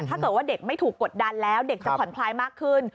ถ้าเกิดว่าเด็กไม่ถูกกดดันแล้วเด็กจะผ่อนคลายมากขึ้น